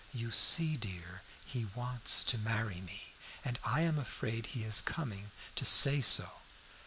"You see, dear, he wants to marry me, and I am afraid he is coming to say so."